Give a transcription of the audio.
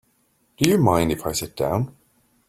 Do you mind if I sit down?